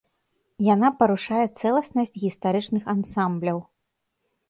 Яна парушае цэласнасць гістарычных ансамбляў.